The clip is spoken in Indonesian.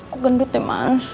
kok gendut nih mans